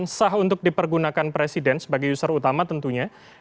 sah untuk dipergunakan presiden sebagai user utama tentunya